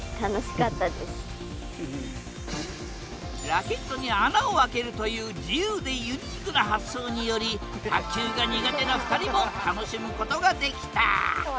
ラケットに穴をあけるという自由でユニークな発想により卓球が苦手な２人も楽しむことができた。